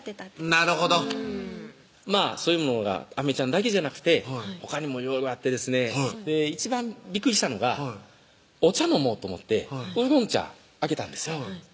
なるほどそういうものが飴ちゃんだけじゃなくてほかにもいろいろあってですね一番びっくりしたのがお茶飲もうと思ってウーロン茶開けたんですよ